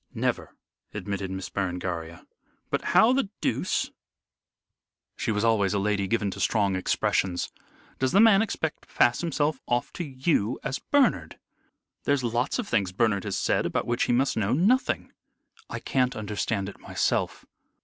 "Never," admitted Miss Berengaria. "But how the deuce" she was always a lady given to strong expressions "does the man expect to pass himself off to you as Bernard? There's lots of things Bernard has said about which he must know nothing." "I can't understand it myself.